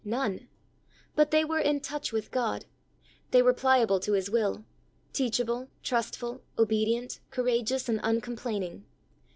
None. But they were in touch with God; they were pliable to His will, teachable, trustful, obedient, cour ageous and uncomplaining.